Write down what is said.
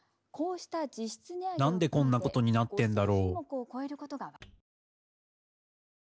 何でこんなことになってんだろう？